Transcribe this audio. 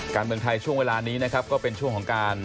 การเมืองไทยช่วงเวลานี้นะครับก็เป็นช่วงของการ